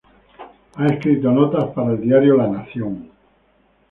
Ha escrito notas para el diario "La Nación".